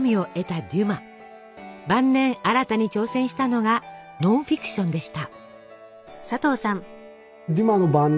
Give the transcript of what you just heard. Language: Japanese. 晩年新たに挑戦したのがノンフィクションでした。